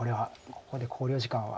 ここで考慮時間は。